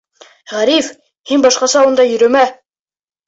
— Ғариф, һин башҡаса унда йөрөмә.